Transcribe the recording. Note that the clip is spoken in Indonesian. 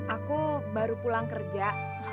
aku baru pulang kerja